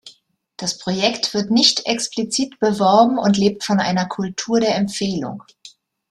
Das Projekt wird nicht explizit beworben und lebt von einer Kultur der Empfehlung.